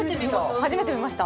初めて見ました？